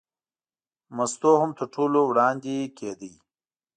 مستو هم تر ټولو وړاندې کېده.